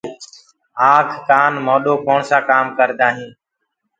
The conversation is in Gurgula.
آنک ڪآن نآڪ موڏو ڪوڻسآ ڪآم ڪردآئين